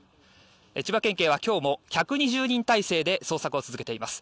千葉県警は今日も１２０人態勢で捜索を続けています。